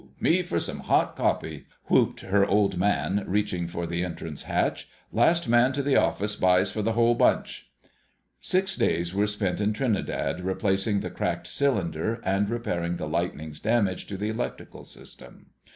_ Me for some hot coffee!" whooped her Old Man, reaching for the entrance hatch. "Last man to the office buys for the whole bunch!" Six days were spent in Trinidad, replacing the cracked cylinder and repairing the lightning's damage to the electrical system.